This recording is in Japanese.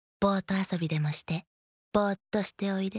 あそびでもしてボーッとしておいで。